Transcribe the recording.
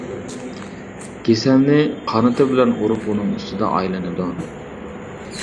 كېسەلنى قانىتى بىلەن ئۇرۇپ ئۇنىڭ ئۈستىدە ئايلىنىدۇ.